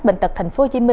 bệnh tật tp hcm